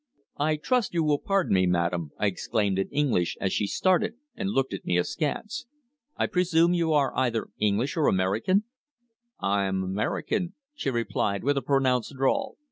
"I trust you will pardon me, Madame," I exclaimed in English, as she started and looked at me askance. "I presume you are either English or American?" "I am American," she replied with a pronounced drawl.